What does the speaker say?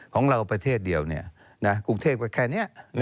ของเราประเทศเดียวกรุงเทศก็แค่นี้